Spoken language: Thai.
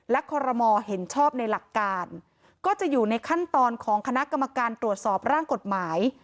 และคอรมอเห็นชอบในหลักการก็จะอยู่ในขั้นตอนของคณะกรรมการตรวจสอบร่างกฎหมาย